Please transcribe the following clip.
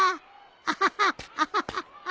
アハハアハハ。